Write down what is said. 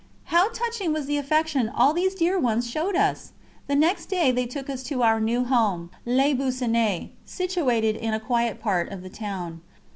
How touching was the affection all these dear ones showed us! The next day they took us to our new home, Les Buissonets, situated in a quiet part of the town.